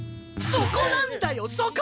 そこなんだよそこ！